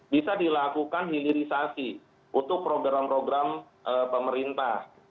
bisa dilakukan hilirisasi untuk program program pemerintah